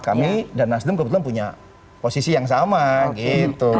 kami dan nasdem kebetulan punya posisi yang sama gitu